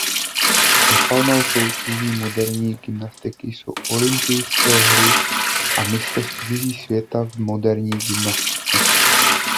Vrcholnou soutěží moderní gymnastiky jsou Olympijské hry a Mistrovství světa v moderní gymnastice.